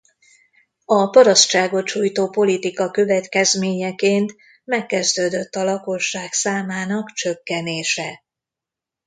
A parasztságot sújtó politika következményeként megkezdődött a lakosság számának csökkenése.